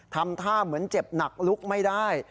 ทำท่าเหมือนเจ็บหนักลุกไม่ได้